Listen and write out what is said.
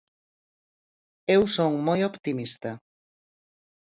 Eu son moi optimista.